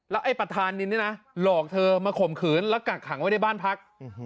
ไอ้ประธานนินนี่นะหลอกเธอมาข่มขืนแล้วกักขังไว้ในบ้านพัก